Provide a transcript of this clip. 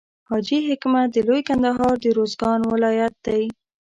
حاجي حکمت د لوی کندهار د روزګان ولایت دی.